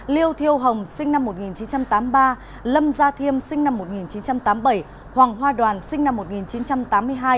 liêu thiêu hồng sinh năm một nghìn chín trăm tám mươi ba lâm gia thiêm sinh năm một nghìn chín trăm tám mươi bảy hoàng hoa đoàn sinh năm một nghìn chín trăm tám mươi hai